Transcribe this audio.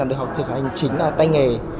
được học thực hành chính là tay nghề